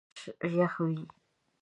ژمئ ډېر يخ وي